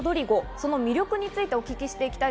その魅力についてお聞きします。